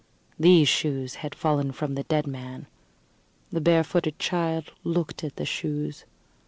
These shoes had fallen from the dead man. The barefooted child looked at the shoes.